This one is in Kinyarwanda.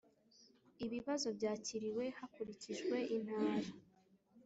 ibibazo byakiriwe hakurikijwe intara